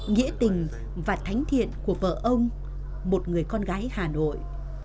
nghĩa tình và thánh thiện của vợ ông một người con gái hà nội